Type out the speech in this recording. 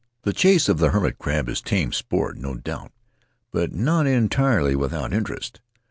The chase of the hermit crab is tame sport, no doubt, but not entirely without interest.